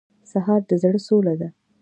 سهار د زړه سوله ده.